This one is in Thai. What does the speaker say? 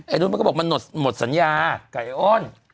นุ้นมันก็บอกมันหมดสัญญากับไอ้อ้น